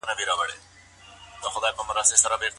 پاني پت د جګړو لپاره یو مشهور ځای دی.